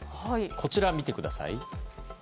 こちら、見てください。